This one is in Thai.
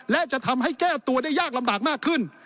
และจะทำให้แก้ตัวได้ยากลำบากมากขึ้น